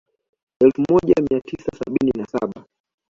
Elfu moja mia tisa sabini na saba